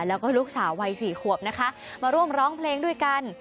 แล้วก็ลูกสาววัย๔ขวบนะคะมาร่วมร้องเพลงด้วยกัน